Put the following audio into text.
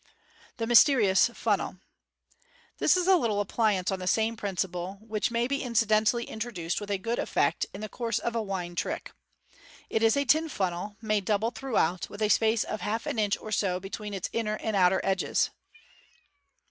The Mysterious Funnel. — This is a little appliance on the same principle, which may be incidentally introduced with good effect in the course of a wine trick. It is a tin funnel, made double throughout, with a space of half an inch or so between its inner and outer sides.